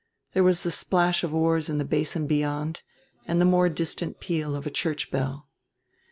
There was the splash of oars in the Basin beyond, and the more distant peal of a church bell.